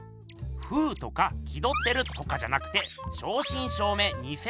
「風」とか「気どってる」とかじゃなくて正しん正めい